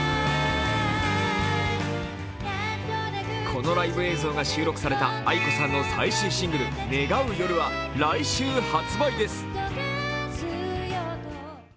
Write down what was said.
このライブ映像が収録されたａｉｋｏさんの最新シングル「ねがう夜」は来週発売です。